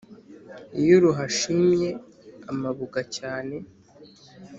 Iyo ruhashimye amabuga cyane